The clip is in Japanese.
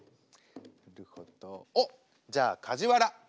なるほどおっじゃあカジワラ。